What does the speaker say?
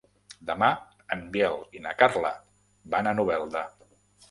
Demà en Biel i na Carla van a Novelda.